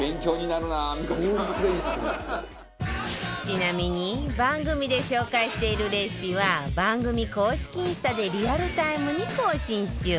ちなみに番組で紹介しているレシピは番組公式インスタでリアルタイムに更新中